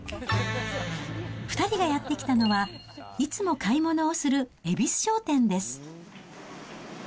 ２人がやって来たのは、いつも買い物をするえびす商店です。